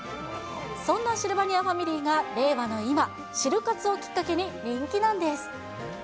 そんなシルバニアファミリーが令和の今、シル活をきっかけに人気なんです。